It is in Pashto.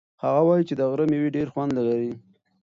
هغه وایي چې د غره مېوې ډېر خوند لري.